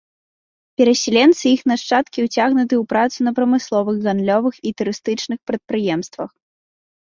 Перасяленцы і іх нашчадкі ўцягнуты ў працу на прамысловых, гандлёвых і турыстычных прадпрыемствах.